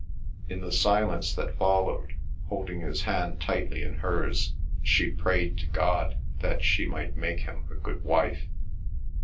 In the silence that followed, holding his hand tightly in hers, she prayed to God that she might make him a good wife.